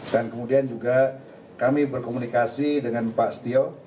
dan kemudian juga kami berkomunikasi dengan pak stio